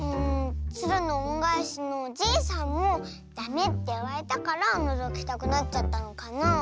「つるのおんがえし」のおじいさんもダメっていわれたからのぞきたくなっちゃったのかなあ。